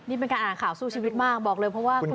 นี่เป็นการอ่านข่าวสู้ชีวิตมากบอกเลยเพราะว่า